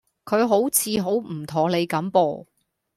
佢好似好唔妥你咁噃